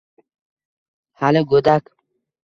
Hali go’dak